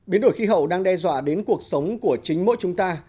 biến đổi khí hậu đang đe dọa đến cuộc sống của chính mỗi chúng ta